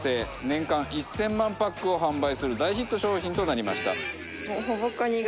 年間１０００万パックを販売する大ヒット商品となりました。